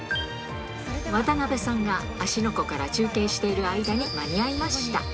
渡辺さんは芦ノ湖から中継している間に間に合いました。